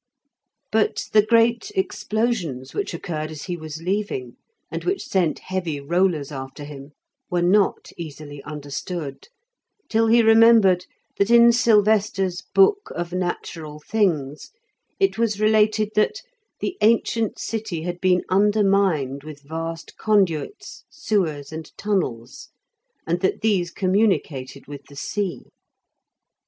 But the great explosions which occurred as he was leaving, and which sent heavy rollers after him, were not easily understood, till he remembered that in Sylvester's "Book of Natural Things" it was related that "the ancient city had been undermined with vast conduits, sewers, and tunnels, and that these communicated with the sea".